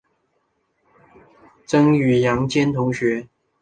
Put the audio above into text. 曾与杨坚同学。